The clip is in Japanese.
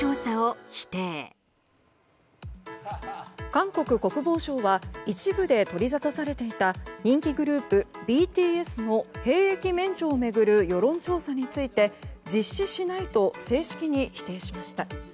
韓国国防省は一部で取り沙汰されていた人気グループＢＴＳの兵役免除を巡る世論調査について実施しないと正式に否定しました。